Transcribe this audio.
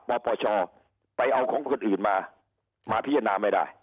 ปปชไปเอาของคนอื่นมามาพิจารณาไม่ได้